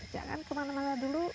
jangan kemana mana dulu